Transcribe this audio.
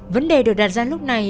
vấn đề được đặt ra lúc này